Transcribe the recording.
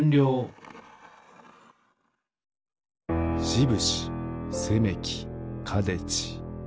しぶしせめきかでち。